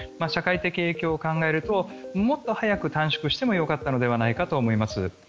社会的影響を考えるともっと早く短縮しても良かったのではと思います。